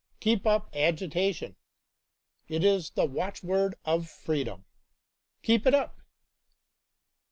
Keep up agitation. It is the watchword of freedom. Keep it up.